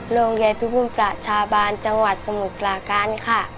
โรงเรียนพิบูลประชาบาลจังหวัดสมุทรปราการค่ะ